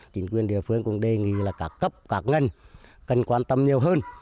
chính quyền địa phương cũng đề nghị là cả cấp cả ngân cần quan tâm nhiều hơn